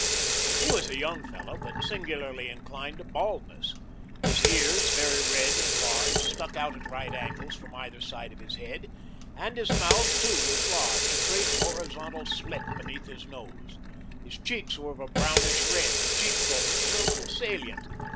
He was a young fellow, but singularly inclined to baldness. His ears, very red and large, stuck out at right angles from either side of his head, and his mouth, too, was large a great horizontal slit beneath his nose. His cheeks were of a brownish red, the cheek bones a little salient.